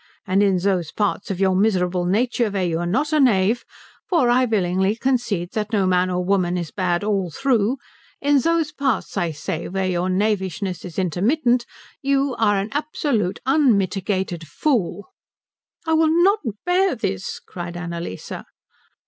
And in those parts of your miserable nature where you are not a knave for I willingly concede that no man or woman is bad all through in those parts, I say, where your knavishness is intermittent, you are an absolute, unmitigated fool." "I will not bear this," cried Annalise.